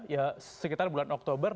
ya sekitar bulan oktober